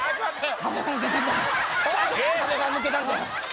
壁が抜けた。